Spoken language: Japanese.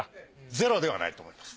ゼロではないと思います。